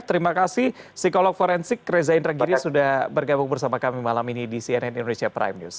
terima kasih psikolog forensik reza indragiri sudah bergabung bersama kami malam ini di cnn indonesia prime news